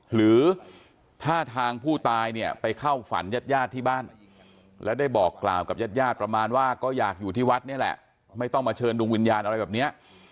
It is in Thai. หรือถ้าทางผู้ตายเนี่ยไปเข้าฝันญาติญาติที่บ้านและได้บอกกล่าวกับญาติญาติประมาณว่าก็อยากอยู่ที่วัดนี่แหละไม่ต้องมาเชิญดวงวิญญาณอะไรแบบนี้